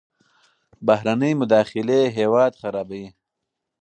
بهرنۍ مداخلې هیواد خرابوي.